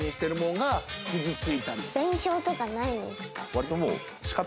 割ともう。